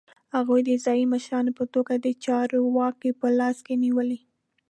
هغوی د ځايي مشرانو په توګه د چارو واګې په لاس کې نیولې.